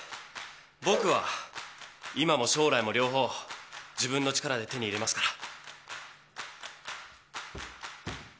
僕は今も将来も両方自分の力で手に入れますから。